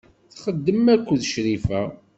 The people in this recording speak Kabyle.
Txeddem akked Crifa.